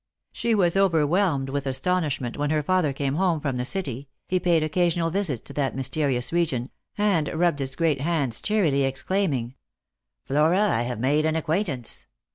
She was overwhelmed with astonishment when her father came home from the City — he paid occasional visits to that mysterious region — and rubbed his great hands cheerily, ex claiming : "Flora, I have made an acquaintance.